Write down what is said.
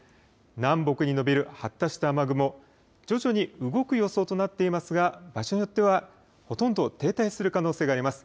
南北に延びる発達した雨雲、徐々に動く予想となっていますが場所によってはほとんど停滞する可能性があります。